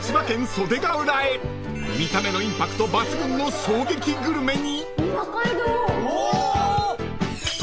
［見た目のインパクト抜群の衝撃グルメに］